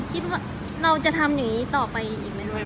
คิดว่าเราจะทำอย่างนี้ต่อไปอีกไหมลูก